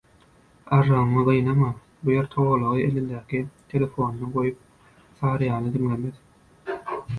Arrygyňy gynama, bu Ýer togalagy elindäki telefonuny goýup, «Saryýany» diňlemez...»